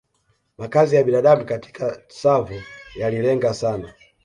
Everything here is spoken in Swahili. Makazi ya binadamu katika Tsavo yalilenga sana